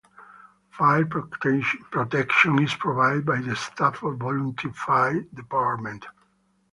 Fire protection is provided by the Safford Volunteer Fire Department.